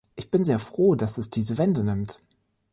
Ich bin sehr froh, dass es diese Wende nimmt.